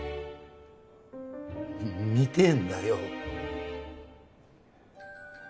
見てえんだよ。